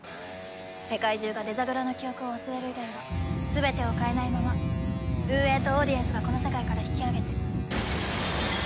世界中がデザグラの記憶を忘れる以外は全てを変えないまま運営とオーディエンスがこの世界から引き揚げて。